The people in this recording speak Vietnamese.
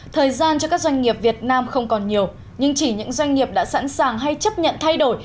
thời gian cho các doanh nghiệp việt nam không còn nhiều nhưng chỉ những doanh nghiệp đã sẵn sàng hay chấp nhận thay đổi